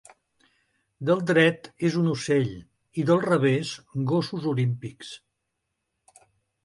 Del dret és un ocell i del revés gossos olímpics.